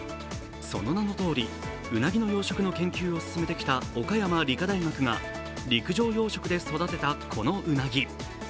その名のとおり、うなぎの養殖の研究を進めてきた岡山理科大学が陸上養殖で育てたこのうなぎ。